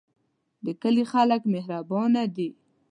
د کلی خلک مهربانه دي